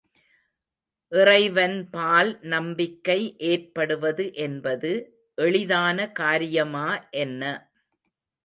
இறைவன் பால் நம்பிக்கை ஏற்படுவது என்பது எளிதான காரியமா என்ன.